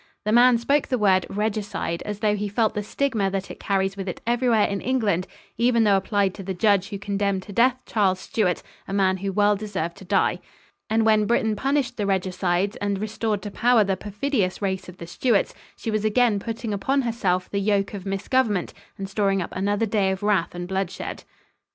The man spoke the word "regicide" as though he felt the stigma that it carries with it everywhere in England, even though applied to the judge who condemned to death Charles Stuart, a man who well deserved to die. And when Britain punished the regicides and restored to power the perfidious race of the Stuarts, she was again putting upon herself the yoke of misgovernment and storing up another day of wrath and bloodshed.